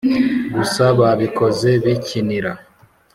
Gusa babikoze bikinira.